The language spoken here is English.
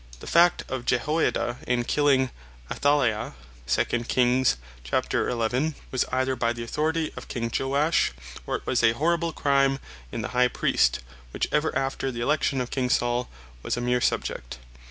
The fact of Jehoiada, in Killing Athaliah (2 Kings 11.) was either by the Authority of King Joash, or it was a horrible Crime in the High Priest, which (ever after the election of King Saul) was a mere Subject.